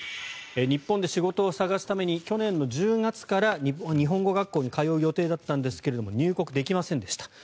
日本で仕事を探すために去年１０月から日本語学校に通う予定だったんですが入国できませんでした。